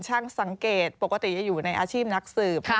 ช่างสังเกตปกติจะอยู่ในอาชีพนักสืบ